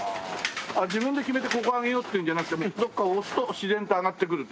あっ自分で決めてここ上げようっていうんじゃなくてもうどこか押すと自然と上がってくるって？